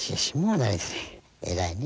偉いね。